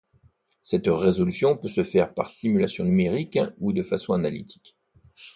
Cette résolution peut se faire par simulation numérique ou de façon analytique.